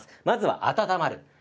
まずは温まる。